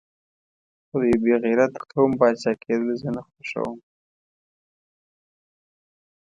خو د یو بې غیرته قوم پاچا کېدل زه نه خوښوم.